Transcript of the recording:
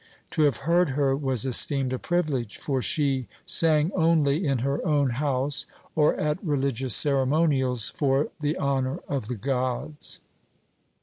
To have heard her was esteemed a privilege, for she sang only in her own house or at religious ceremonials "for the honour of the gods."